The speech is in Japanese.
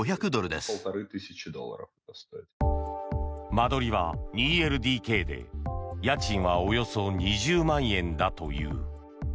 間取りは２ＬＤＫで家賃はおよそ２０万円だという。